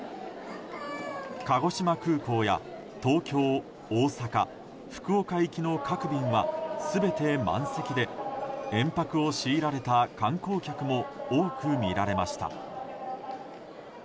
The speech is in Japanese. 鹿児島空港や東京、大阪福岡行きの各便は全て満席で延泊を強いられた観光客も多くみられました。